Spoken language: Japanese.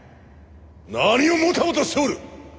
何をもたもたしておる！